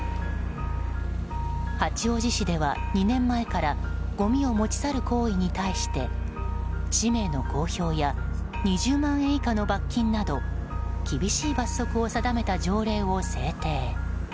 八王子市では２年前からごみを持ち去る行為に対して氏名の公表や２０万円以下の罰金など厳しい罰則を定めた条例を制定。